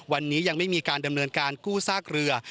วันนี้ยังไม่มีการดำเนินการกู้ซากเรือ